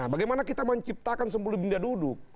bagaimana kita menciptakan sebelum dia duduk